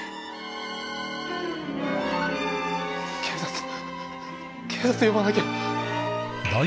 警察。